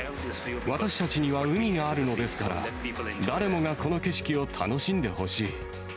私たちには海があるのですから、誰もがこの景色を楽しんでほしい。